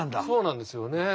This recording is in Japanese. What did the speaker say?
そうなんですよね。